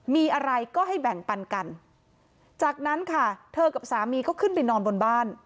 มีอะไรก็ให้แบ่งปันกันจากนั้นค่ะเธอกับสามีก็ขึ้นไปนอนบนบ้าน